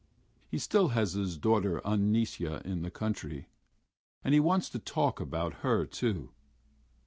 He still has his daughter Anisya in the country.... And he wants to talk about her too....